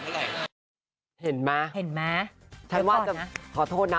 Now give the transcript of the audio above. ได้เห็นเท่าไหร่เห็นมาเห็นมาเดี๋ยวก่อนนะฉันว่าจะขอโทษน่ะ